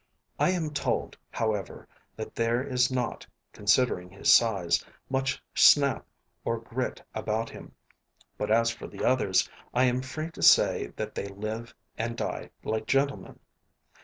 I am told, however, that there is not, considering his size, much snap or grit about him; but as for the others, I am free to say that they live and die like gentlemen.